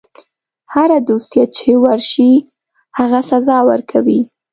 هره دوسیه چې ورشي هغه سزا ورکوي.